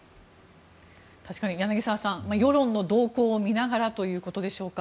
確かに柳澤さん世論の動向を見ながらということでしょうか。